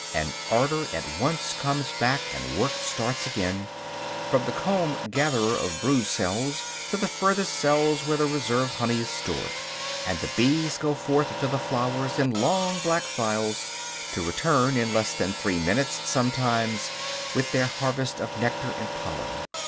And order at once comes back and work starts again, from the comb gatherer of brood cells to the furthest cells where the reserve honey is stored. And the bees go forth to the flowers, in long black files, to return, in less than three minutes sometimes, with their harvest of nectar and pollen.